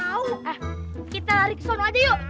oh kita lari ke sana aja yuk